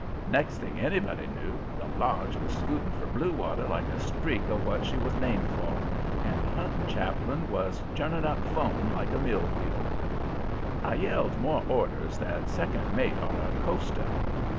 Next thing anybody knew, the launch was scooting for blue water like a streak of what she was named for, and the hunting chaplain was churning up foam like a mill wheel. I yelled more orders than second mate on a coaster.